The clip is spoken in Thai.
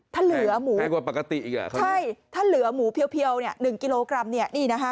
ถ้าเหลือหมูใช่ถ้าเหลือหมูเพียวหนึ่งกิโลกรัมนี่นะฮะ